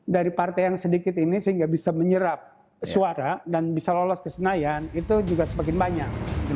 dari partai yang sedikit ini sehingga bisa menyerap suara dan bisa lolos ke senayan itu juga semakin banyak